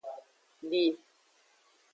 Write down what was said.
Di.